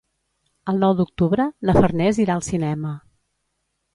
El nou d'octubre na Farners irà al cinema.